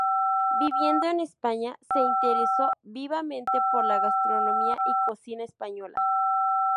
Viviendo en España se interesó vivamente por la gastronomía y cocina española.